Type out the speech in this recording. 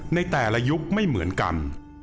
ในแต่ละยุคไม่เหมือนกัน